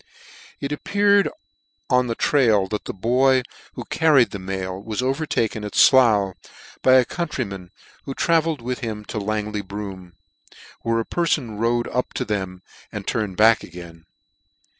It appeared on the trial that the boy who car ried the mail was overtaken at Slough, by a countryman, who travelled with him to Langley Broom, where a perfon rode up to them and turned back again.